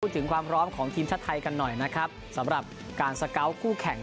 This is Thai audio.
ถึงความพร้อมของทีมชาติไทยกันหน่อยนะครับสำหรับการสเกาะคู่แข่ง